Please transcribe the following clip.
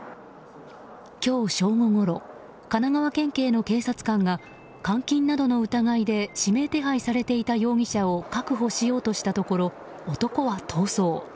今日正午ごろ神奈川県警の警察官が監禁などの疑いで指名手配されていた容疑者を確保しようとしたところ男は逃走。